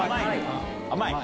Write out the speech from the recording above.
甘い。